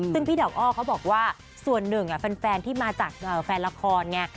ซึ่งพี่ดอกอ้อเขาบอกว่าส่วนหนึ่งแฟนที่มาจากแฟนละครไง